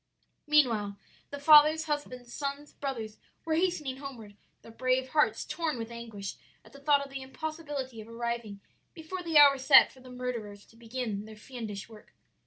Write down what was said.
"Meanwhile the fathers, husbands, sons, brothers were hastening homeward, their brave hearts torn with anguish at thought of the impossibility of arriving before the hour set for the murderers to begin their fiendish work.